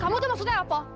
kamu tuh maksudnya apa